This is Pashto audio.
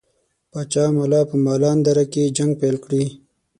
پاچا ملا په مالان دره کې جنګ پیل کړي.